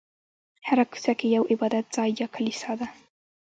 هره کوڅه کې یو عبادت ځای یا کلیسا ده.